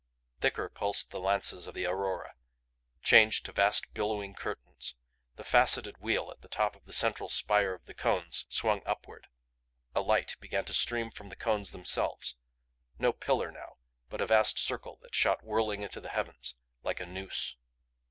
Thicker pulsed the lances of the aurora; changed to vast billowing curtains. The faceted wheel at the top of the central spire of the cones swung upward; a light began to stream from the cones themselves no pillar now, but a vast circle that shot whirling into the heavens like a noose.